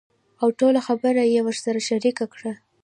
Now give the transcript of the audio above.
اوټوله خبره يې ورسره شريکه کړه .